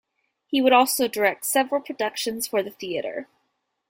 He would also direct several productions for the theatre.